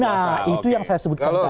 nah itu yang saya sebutkan tadi